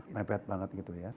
memet banget gitu ya